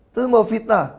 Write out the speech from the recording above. itu mau fitnah